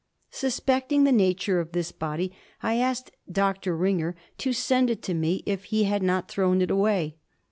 Suspecting the nature of this body, I asked Dr. Ringer to send it to me if he had not thrown it away.